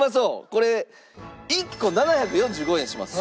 これ１個７４５円します。